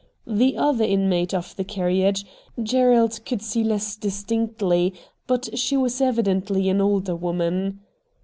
The other inmate of the carriage Gerald could VOL. I. G 82 RED DIAMONDS see less distinctly, but she was evidently an older woman.